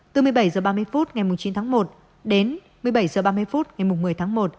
từ một mươi bảy h ba mươi phút ngày chín tháng một đến một mươi bảy h ba mươi phút ngày một mươi tháng một